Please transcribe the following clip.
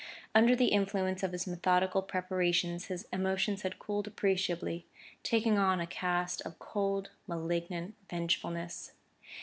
Under the influence of his methodical preparations, his emotions had cooled appreciably, taking on a cast of cold malignant vengefulness.